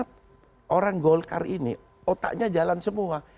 karena orang golkar ini otaknya jalan semua